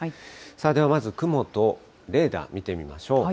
ではまず雲とレーダー、見てみましょう。